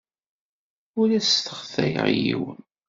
Ur as-sseɣtayeɣ i yiwen.